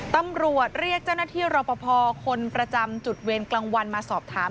ตำรวจเรียกเจ้าหน้าที่รอปภคนประจำจุดเวรกลางวันมาสอบถาม